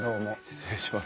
失礼します。